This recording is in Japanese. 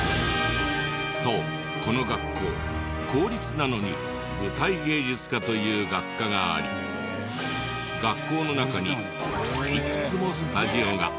そうこの学校公立なのに舞台芸術科という学科があり学校の中にいくつもスタジオが。